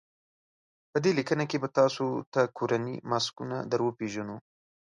په دې لیکنه کې به تاسو ته کورني ماسکونه در وپېژنو.